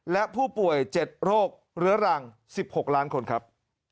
และผู้ป่วย๗โรคเรื้อรัง๑๖ล้านคนครับ